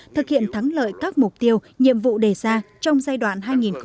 thực hiện thắng lợi các mục tiêu nhiệm vụ đề ra trong giai đoạn hai nghìn hai mươi hai nghìn hai mươi năm